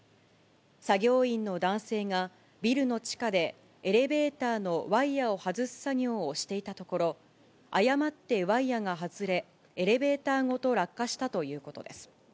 作業員の男性がビルの地下でエレベーターのワイヤを外す作業をしていたところ、誤ってワイヤが外れ、エレベーターごと落下したということです。